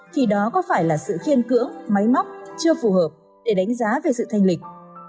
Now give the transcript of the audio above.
thì đó có phải là sự khiên cưỡng máy móc chưa phù hợp để đánh giá về sự thanh lịch